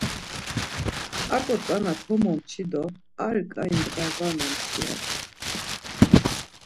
Aǩo tzana komomçi do ar ǩai ndğa var momçi, ya.